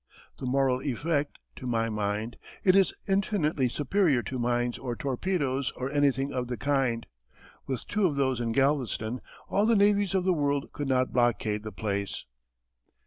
The moral effect to my mind, it is infinitely superior to mines or torpedoes or anything of the kind. With two of those in Galveston all the navies of the world could not blockade the place.